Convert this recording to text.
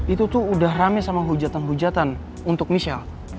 itu tuh udah rame sama hujatan hujatan untuk michelle